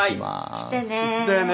来てね。